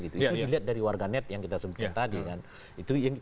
itu dilihat dari warganet yang kita sebutkan tadi kan